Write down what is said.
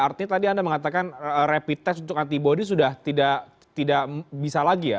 artinya tadi anda mengatakan rapid test untuk antibody sudah tidak bisa lagi ya